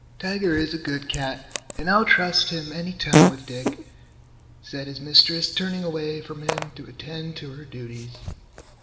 "Tiger is a good cat and I'll trust him any time with Dick," said his mistress, turning away from him to attend to her duties.